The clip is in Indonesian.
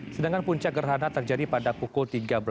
sedangkan puncak gerhana terjadi pada pukul tiga belas empat puluh satu